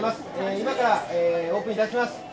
今からオープンいたします。